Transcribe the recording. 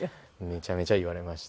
めちゃめちゃ言われましたね。